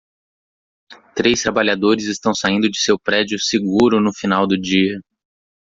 Três trabalhadores estão saindo de seu prédio seguro no final do dia.